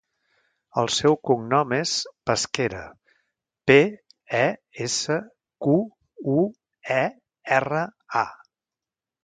El seu cognom és Pesquera: pe, e, essa, cu, u, e, erra, a.